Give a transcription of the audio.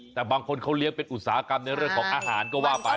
แต่บางคนเขาเลี้ยงเป็นอุตสาหกรรมในเรื่องของอาหารก็ว่าไป